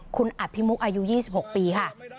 คุณอภิมุกอายุ๒๖ปีค่ะ